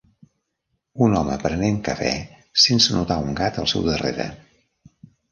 Un home prenent cafè sense notar un gat al seu darrere.